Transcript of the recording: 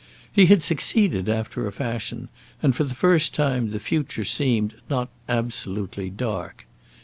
He had succeeded after a fashion, and for the first time the future seemed not absolutely dark.